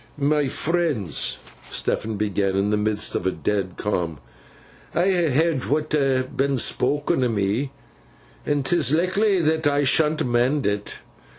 'My friends,' Stephen began, in the midst of a dead calm; 'I ha' hed what's been spok'n o' me, and 'tis lickly that I shan't mend it.